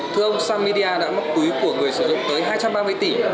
thưa ông sang media đã mắc cúi của người sử dụng tới hai trăm ba mươi tỷ